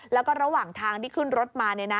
แล้วก็ระหว่างทางที่ขึ้นรถมา